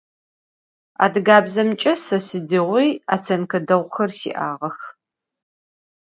Adıgebzemç'e se sıdiğui votsênke değuxer si'ağex.